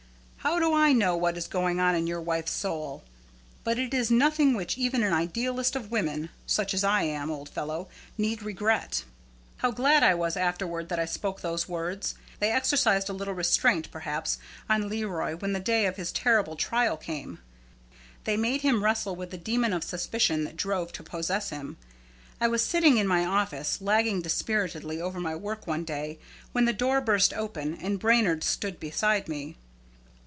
How do I know what is going on in your wife's soul? But it is nothing which even an idealist of women, such as I am, old fellow, need regret." How glad I was afterward that I spoke those words. They exercised a little restraint, perhaps, on Leroy when the day of his terrible trial came. They made him wrestle with the demon of suspicion that strove to possess him. I was sitting in my office, lagging dispiritedly over my work one day, when the door burst open and Brainard stood beside me.